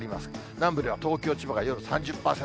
南部では東京、千葉が夜３０％。